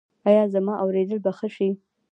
ایا زما اوریدل به ښه شي؟